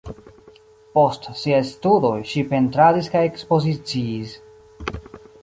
Post siaj studoj ŝi pentradis kaj ekspoziciis.